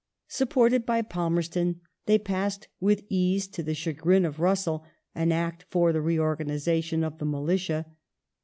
Supported by Palmerston they passed with ease, to the chagrin of Russell, an Act for the i e organization of the militia.